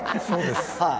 そうです。